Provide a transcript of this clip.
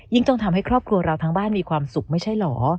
ต้องทำให้ครอบครัวเราทั้งบ้านมีความสุขไม่ใช่เหรอ